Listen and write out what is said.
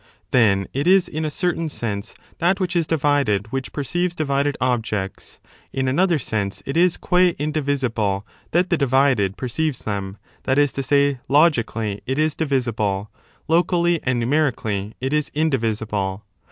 Then it is in a certain sense that which is divided which perceives divided objects; in another sense it is gud indivisible that the divided perceives them: that is to say, logi cally it is divisible, locally and numerically it is indivisible.